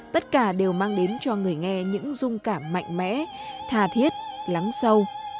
tất cả đều mang đến cho người nghe những dung cảm mạnh mẽ thà thiết lắng sâu